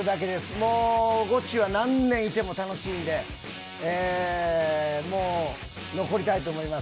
もうゴチは何年いても楽しいんで、もう、残りたいと思います。